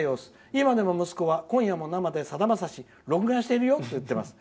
今でも息子は「今夜も生でさだまさし」録画しているよと言っています。